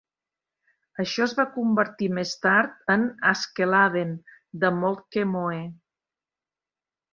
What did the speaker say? Això es va convertir més tard en "Askeladden" de Moltke Moe.